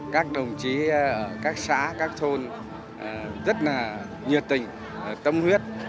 các đồng chí ở các xã các thôn rất là nhiệt tình tâm huyết